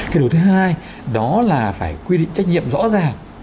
cái điều thứ hai đó là phải quy định trách nhiệm rõ ràng